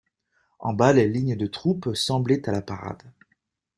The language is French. En bas, les lignes de troupes semblaient à la parade.